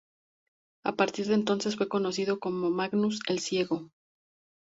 A partir de entonces fue conocido como "Magnus el Ciego".